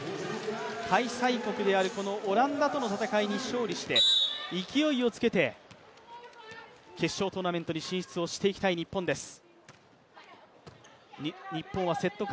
開催国であるオランダとの戦いに勝利して、勢いをつけて決勝トーナメントに進出していきたい日本です。